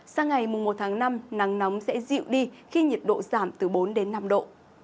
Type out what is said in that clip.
sang ngày một tháng năm nắng nóng sẽ dịu đi khi nhiệt độ giảm từ bốn đến năm độ